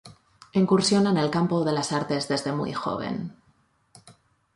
Incursiona en el campo de las artes desde muy joven.